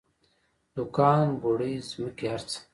دوکان بوړۍ ځمکې هر څه.